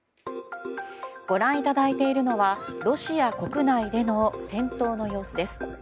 ご覧いただいているのはロシア国内での戦闘の様子です。